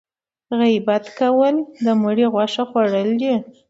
غیبت کول د مړي غوښه خوړل دي